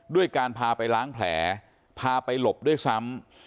ด้วยการพาไปล้างแผลพาไปหลบด้วยซ้ำ